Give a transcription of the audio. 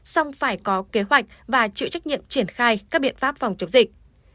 xong phải có kế hoạch và chịu trách nhiệm triển khai các biện pháp phòng chống dịch